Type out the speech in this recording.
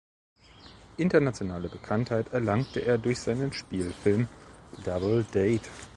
Internationale Bekanntheit erlangte er durch seinen Spielfilm "Double Date".